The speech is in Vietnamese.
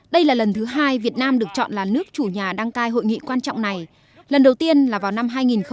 đây là lần thứ hai việt nam được chọn là nước chủ nhà đăng cai hội nghị quan trọng này lần đầu tiên là vào năm hai nghìn một mươi năm